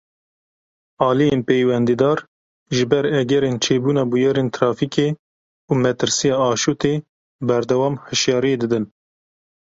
Aliyên peywendîdar ji ber egerên çêbûna bûyerên trafîkê û metirsiya aşûtê berdewam hişyariyê didin.